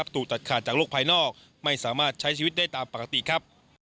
ถูกตัดขาดจากโลกภายนอกไม่สามารถใช้ชีวิตได้ตามปกติครับ